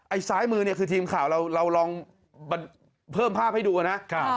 ซ้ายมือเนี่ยคือทีมข่าวเราลองเพิ่มภาพให้ดูนะ